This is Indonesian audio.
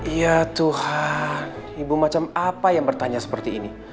ya tuhan ibu macam apa yang bertanya seperti ini